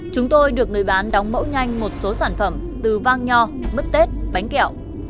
chúng tôi được người bán đóng mẫu nhanh một số sản phẩm từ vang nho mứt tết bánh kẹo